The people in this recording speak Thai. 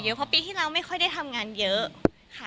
เพราะปีที่แล้วไม่ค่อยได้ทำงานเยอะค่ะ